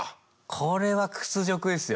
これは屈辱ですよ。